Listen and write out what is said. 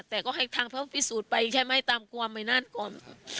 แต่ก็ให้ทางเขาพิสูจน์ไปใช่ไหมตามความไม่นานก่อน